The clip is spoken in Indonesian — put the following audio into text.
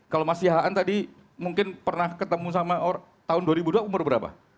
kalau mas yahaan tadi mungkin pernah ketemu sama orang tahun dua ribu dua umur berapa